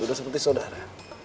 udah seperti sodara